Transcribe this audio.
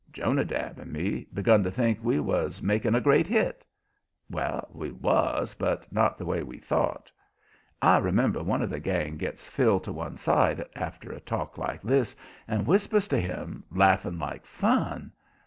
Jonadab and me begun to think we was making a great hit. Well, we was, but not the way we thought. I remember one of the gang gets Phil to one side after a talk like this and whispers to him, laughing like fun.